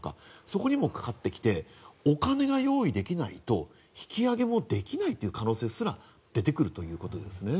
そこにもかかってきてお金が用意できないと引き揚げもできない可能性すら出てくるということですね。